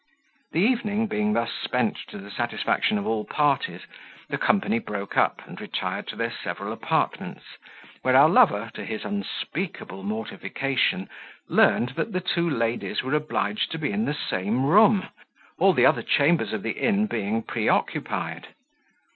The evening being thus spent to the satisfaction of all parties, the company broke up, and retired to their several apartments, where our lover, to his unspeakable mortification, learned that the two ladies were obliged to be in the same room, all the other chambers of the inn being pre occupied.